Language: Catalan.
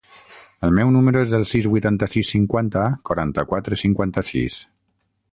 El meu número es el sis, vuitanta-sis, cinquanta, quaranta-quatre, cinquanta-sis.